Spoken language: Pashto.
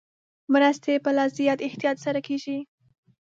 مرستې په لا زیات احتیاط سره کېږي.